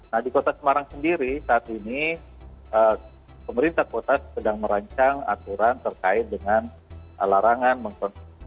nah di kota semarang sendiri saat ini pemerintah kota sedang merancang aturan terkait dengan larangan mengkonsumsi